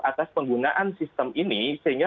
atas penggunaan sistem ini sehingga